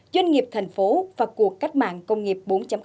doanh nghiệp thành phố và cuộc cách mạng công nghiệp bốn